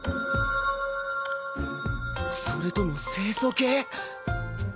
それとも清楚系？